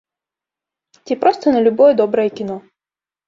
Ці проста на любое добрае кіно.